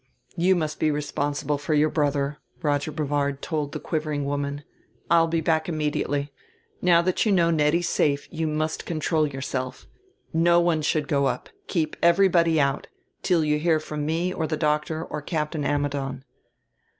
"You must be responsible for your brother," Roger Brevard told the quivering woman. "I'll be back immediately. Now that you know Nettie's safe you must control yourself. No one should go up keep everybody out till you hear from me or the doctor or Captain Ammidon."